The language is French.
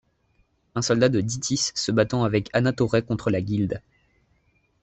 Un soldat de Dithis se battant avec Anatoray contre la Guilde.